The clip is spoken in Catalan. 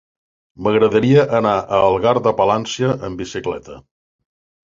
M'agradaria anar a Algar de Palància amb bicicleta.